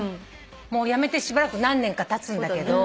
もうやめてしばらく何年かたつんだけど。